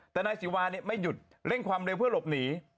แต่นายศิวาไม่หยุดเร่งความเร็วเพื่อหลบหนี